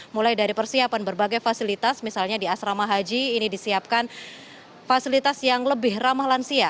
mulai dari persiapan berbagai fasilitas misalnya di asrama haji ini disiapkan fasilitas yang lebih ramah lansia